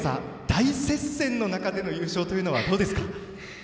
大接戦の中での優勝はどうですか？